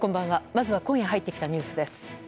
まずは今夜入ってきたニュースです。